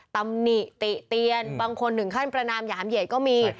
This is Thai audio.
ตำหนิติเตียนบางคนถึงขั้นประนามหยามเหยียดก็มี